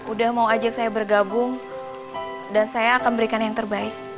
udah mau ajak saya bergabung dan saya akan berikan yang terbaik